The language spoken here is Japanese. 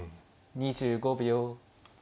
２５秒。